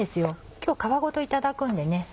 今日皮ごといただくんでね。